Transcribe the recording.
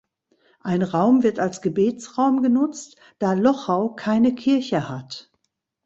Ein Raum wird als Gebetsraum genutzt, da Lochau keine Kirche hat.